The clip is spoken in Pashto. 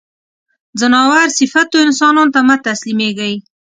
ځناور صفتو انسانانو ته مه تسلیمېږی.